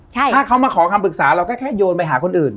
ถ้าเขามาขอคำปรึกษาเราก็แค่โยนไปหาคนอื่น